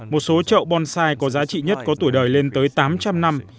một số chậu bonsai có giá trị nhất có tuổi đời lên tới tám trăm linh năm